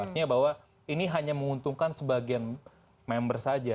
artinya bahwa ini hanya menguntungkan sebagian member saja